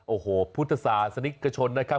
โอ้โหพุทธศาสตร์สนิกกระชนนะครับ